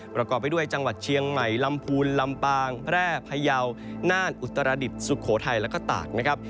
ประกอบไปด้วยจังหวัดเชียงใหม่ลำพูนลำปางแพร่พยาวน่านอุตรดิษฐ์สุโขทัยแล้วก็ตากนะครับ